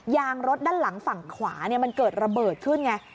ยางรถด้านหลังฝั่งขวามันเกิดระเบิดขึ้นไง